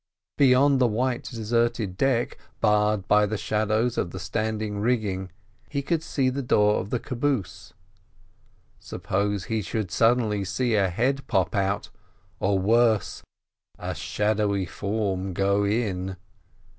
Beyond the white deserted deck, barred by the shadows of the standing rigging, he could see the door of the caboose. Suppose he should suddenly see a head pop out—or, worse, a shadowy form go in?